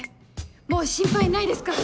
もう心配ないですから。